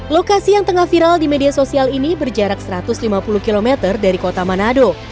lokasi yang tengah viral di media sosial ini berjarak satu ratus lima puluh km dari kota manado